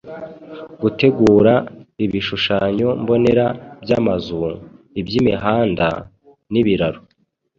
gutegura ibishushanyo mbonera by’amazu, iby’imihanda n’ibiraro,